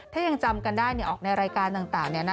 ถ้ายังจำกันได้ออกในรายการต่างเนี่ยนะ